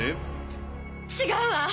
ち違うわ！